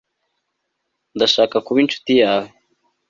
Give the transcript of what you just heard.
ndashaka kuba inshuti yawe